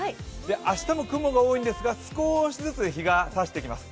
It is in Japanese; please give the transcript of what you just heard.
明日も雲が多いんですが少しずつ日がさしてきます。